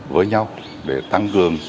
với nhau để tăng cường